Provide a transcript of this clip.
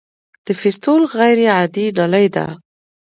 د فیستول غیر عادي نلۍ ده.